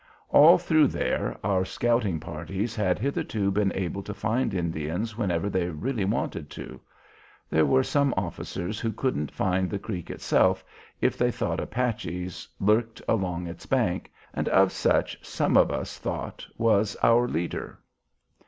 All through there our scouting parties had hitherto been able to find Indians whenever they really wanted to. There were some officers who couldn't find the Creek itself if they thought Apaches lurked along its bank, and of such, some of us thought, was our leader.